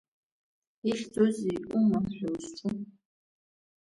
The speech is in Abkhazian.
Ихьӡузеи, умаҳә ҳәа узҿу?